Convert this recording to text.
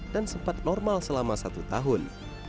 sempat normal selama satu tahun